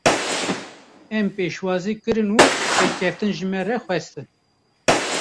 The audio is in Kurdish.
Em pêşwazî kirin û serkeftin ji me re xwestin.